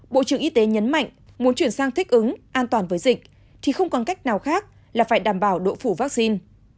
bộ trưởng y tế nhấn mạnh muốn chuyển sang thích ứng an toàn với dịch thì không còn cách nào khác là phải đảm bảo độ phủ vaccine